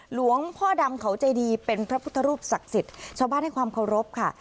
หลวงพ่อดำเขาใจดีเป็นพระพุทธรูปศักดิ์สิทธิ์ชาวบ้านให้ความเคารพค่ะ